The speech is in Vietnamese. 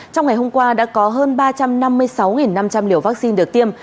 trong ngày hôm qua đã có hơn ba trăm năm mươi sáu năm trăm linh liều vaccine được tiêm